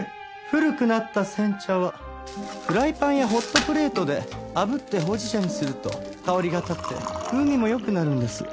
古くなった煎茶はフライパンやホットプレートで炙ってほうじ茶にすると香りが立って風味も良くなるんです。